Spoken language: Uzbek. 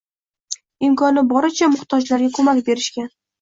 Imkoni boricha muhtojlarga ko‘mak berishgan